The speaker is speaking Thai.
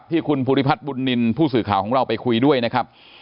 ที่คุณภูริพัฒน์บุญนินทร์ผู้สื่อข่าวของเราไปคุยด้วยนะครับ